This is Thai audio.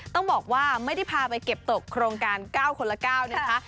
ต้องบอกว่าไม่ได้พาไปเก็บตกโครงการ๙คนละ๙นะคะ